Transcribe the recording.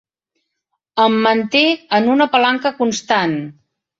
Em manté en una palanca constant.